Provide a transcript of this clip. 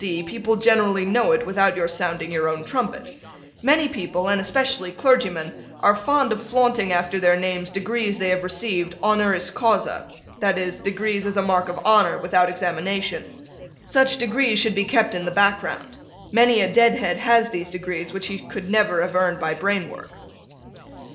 D. people generally know it without your sounding your own trumpet. Many people, and especially clergymen, are fond of flaunting after their names degrees they have received honoris causa, that is, degrees as a mark of honor, without examination. Such degrees should be kept in the background. Many a deadhead has these degrees which he could never have earned by brain work.